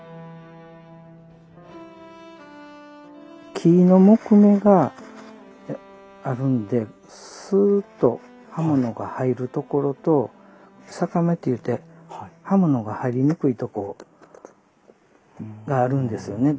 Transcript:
木の木目があるんでスーっと刃物が入るところと逆目ていうて刃物が入りにくいとこがあるんですよねどうしても。